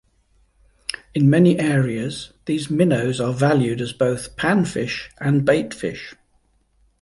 In many areas these minnows are valued as both panfish and baitfish.